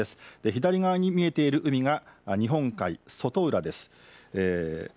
左側に見えている海が日本海外浦です。